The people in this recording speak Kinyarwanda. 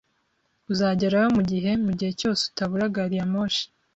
Uzagerayo mugihe, mugihe cyose utabura gari ya moshi